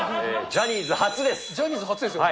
ジャニーズ初ですよ。